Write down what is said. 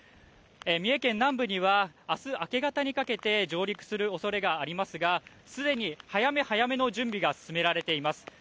三重県南部には、あす明け方にかけて上陸するおそれがありますが、すでに早め早めの準備が進められています。